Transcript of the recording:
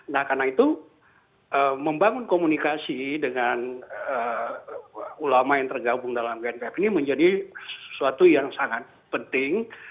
nah karena itu membangun komunikasi dengan ulama yang tergabung dalam gnpf ini menjadi sesuatu yang sangat penting